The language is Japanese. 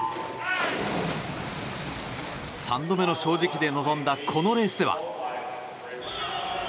三度目の正直で臨んだこのレースでは。